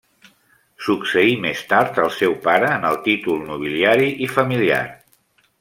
Succeí més tard al seu pare en el títol nobiliari familiar.